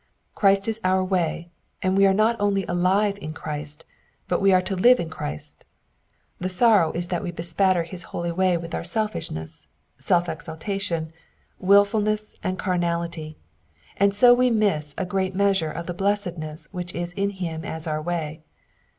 Christ is our way, and we are not only alive in Christ, but we are to live in Christ : the sorrow is that we bespatter his holy way with our selfishness, self exaltation, wilful ness, and carnality, and so we miss a great measure of the blessedness which is in him as our way.